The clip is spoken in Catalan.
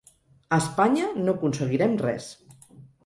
A Espanya, no aconseguirem res.